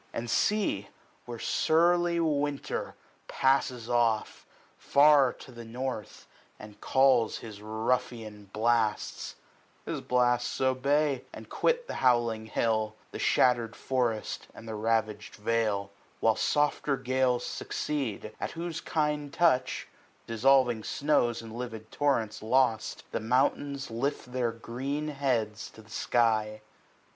10 And see where surly Winter passes off, Far to the north, and calls his ruffian blasts ; His blasts obey, and quit the howling hill, The shattered forest, and the ravag'd vale ; While softer gales succeed, at whose kind touch, 15 Dissolving snows in livid torrents lost. The mountains lift their green heads to the sky.